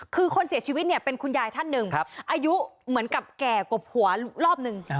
คือคนเสียชีวิตเนี่ยเป็นคุณยายท่านหนึ่งอายุเหมือนกับแก่กบหัวรอบหนึ่ง